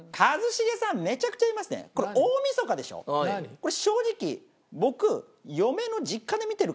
これ正直僕。